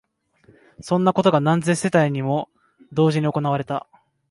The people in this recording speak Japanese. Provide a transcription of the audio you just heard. そんなことが何千世帯も同時に行われた